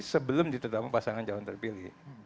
sebelum ditetapkan pasangan calon terpilih